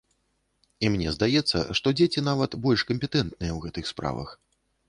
І мне здаецца, што дзеці нават больш кампетэнтныя ў гэтых справах.